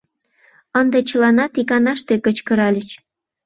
Ынде чыланат иканаште кычкыральыч: